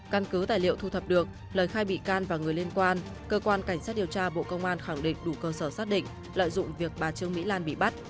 căn cứ tài liệu thu thập được lời khai bị can và người liên quan cơ quan cảnh sát điều tra bộ công an khẳng định đủ cơ sở xác định lợi dụng việc bà trương mỹ lan bị bắt